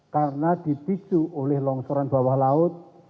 karena dipicu oleh longsoran bawah laut